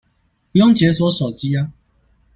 不用解鎖手機啊